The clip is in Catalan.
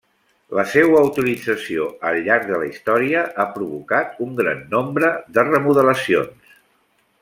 La seua utilització al llarg de la història ha provocat un gran nombre de remodelacions.